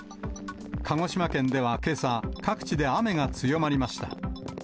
鹿児島県ではけさ、各地で雨が強まりました。